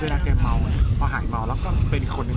แกเมาไงพอหายเมาแล้วก็เป็นอีกคนนึง